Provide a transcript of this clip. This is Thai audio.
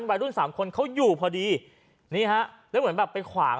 วัยรุ่นสามคนเขาอยู่พอดีนี่ฮะแล้วเหมือนแบบไปขวาง